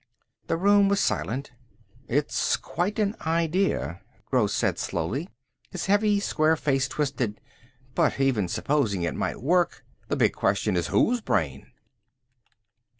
The room was silent. "It's quite an idea," Gross said slowly. His heavy square face twisted. "But even supposing it might work, the big question is whose brain?"